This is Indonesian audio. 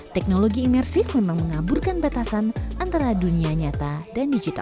teknologi imersif memang mengaburkan batasan antara dunia nyata dan digital